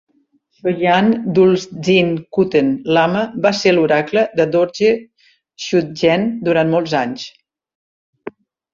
Choyang Duldzin Kuten Lama va ser l'oracle de Dorje Shugden durant molts anys.